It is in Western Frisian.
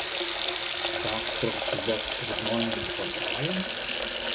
Faaks troch it ferbod op it meinimmen fan aaien?